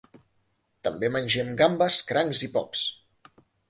També mengen gambes, crancs i pops.